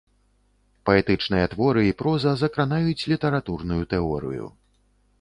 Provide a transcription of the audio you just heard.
Паэтычныя творы і проза закранаюць літаратурную тэорыю.